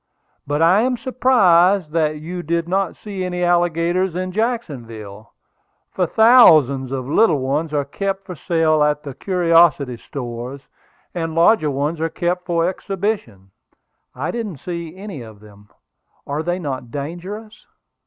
But I am surprised that you did not see any alligators in Jacksonville, for thousands of little ones are kept for sale at the curiosity stores, and larger ones are kept for exhibition." "I didn't happen to see any of them. Are they not dangerous?"